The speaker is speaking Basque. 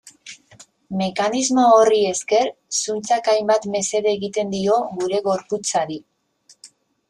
Mekanismo horri esker, zuntzak hainbat mesede egiten dio gure gorputzari.